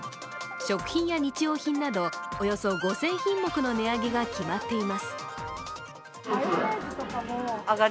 食品や日用品などおよそ５０００品目の値上げが決まっています。